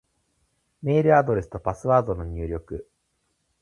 メールアドレスとパスワードの入力